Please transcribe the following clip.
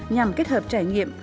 nhằm kết hợp trải nghiệm